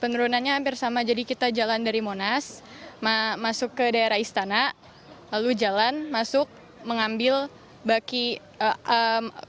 penurunannya hampir sama jadi kita jalan dari monas masuk ke daerah istana lalu jalan masuk mengambil baki